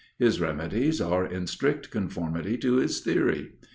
His remedies are in strict conformity to his theory.